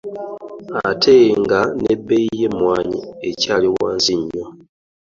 Ate nga n'ebbeeyi y'emmwanyi ekyali wansi nnyo.